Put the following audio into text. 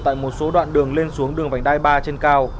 tại một số đoạn đường lên xuống đường vành đai ba trên cao